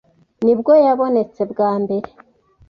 nibwo yabonetse bwa mbere